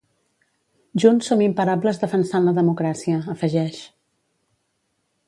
Junts som imparables defensant la democràcia, afegeix.